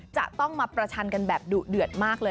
จะต้องมาประชันกันแบบดุเดือดมากเลย